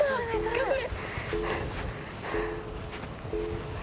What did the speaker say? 頑張れ！